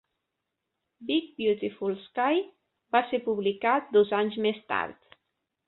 "Big Beautiful Sky" va ser publicat dos anys més tard.